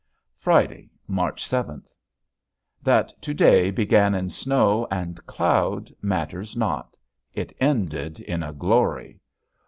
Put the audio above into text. Friday, March seventh. That to day began in snow and cloud matters not, it ended in a glory.